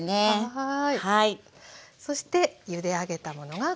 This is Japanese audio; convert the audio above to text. はい。